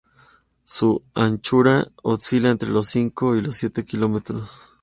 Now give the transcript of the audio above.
Su anchura oscila entre los cinco y los siete kilómetros.